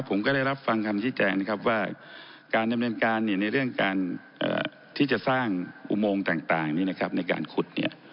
ผมก็ได้รับฟังคำที่แจงว่าการเรียนการในเรื่องการที่จะสร้างอุโมงต่างในการขุด